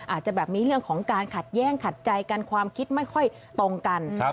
อาจจะแบบมีเรื่องของการขัดแย่งขัดใจกันความคิดไม่ค่อยตรงกัน